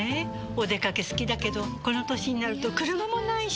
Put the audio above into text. お出かけ好きだけどこの歳になると車もないし。